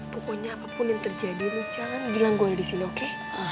pokoknya apapun yang terjadi lu jangan bilang gue ada di sini oke